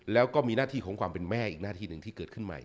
แล้วก็มีหน้าที่ของความเป็นแม่อีกหน้าที่หนึ่งที่เกิดขึ้นใหม่